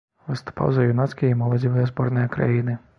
Выступаў за юнацкія і моладзевыя зборныя краіны.